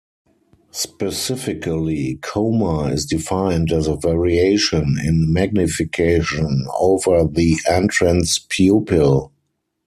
Specifically, coma is defined as a variation in magnification over the entrance pupil.